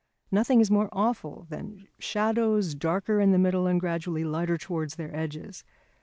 Nothing is more awful than shadows darker in the middle and gradually lighter towards their edges.